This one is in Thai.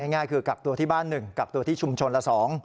ง่ายก็คือกลับตัวที่บ้านหนึ่งกลับตัวที่ชุมชนละ๒